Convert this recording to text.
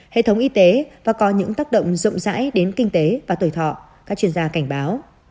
hệ thống y tế và có những tác động rộng rãi đến kinh tế và tuổi thọ các chuyên gia cảnh báo